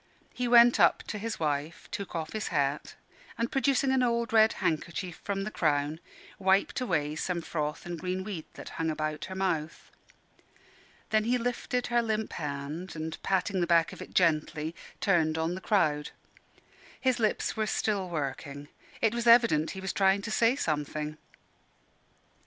He went up to his wife, took off his hat, and producing an old red handkerchief from the crown, wiped away some froth and green weed that hung about her mouth. Then he lifted her limp hand, and patting the back of it gently, turned on the crowd. His lips were still working. It was evident he was trying to say something.